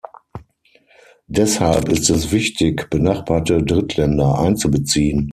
Deshalb ist es wichtig, benachbarte Drittländer einzubeziehen.